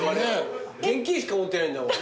現金しか持ってないんだもん。